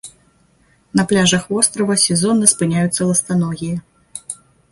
На пляжах вострава сезонна спыняюцца ластаногія.